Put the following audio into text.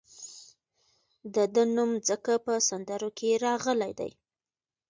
د ده نوم ځکه په سندرو کې راغلی دی.